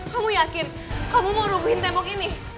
kamu yakin kamu mau rubuhin tembok ini